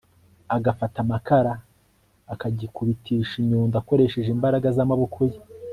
agafata amakara akagikubitisha inyundo akoresheje imbaraga z amaboko ye